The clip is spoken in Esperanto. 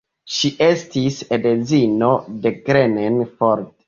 Ŝi estis edzino de Glenn Ford.